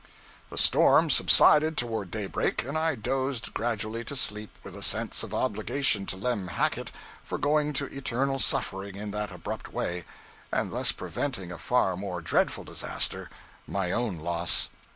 The storm subsided toward daybreak, and I dozed gradually to sleep with a sense of obligation to Lem Hackett for going to eternal suffering in that abrupt way, and thus preventing a far more dreadful disaster my own loss.